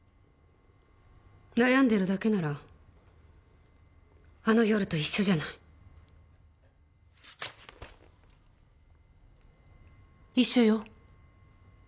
悩んでるだけならあの夜と一緒じゃない一緒よ